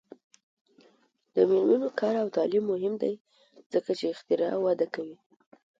د میرمنو کار او تعلیم مهم دی ځکه چې اختراع وده کوي.